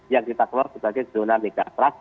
yang kita kelap sebagai zona megatrack